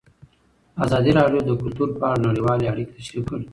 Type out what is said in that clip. ازادي راډیو د کلتور په اړه نړیوالې اړیکې تشریح کړي.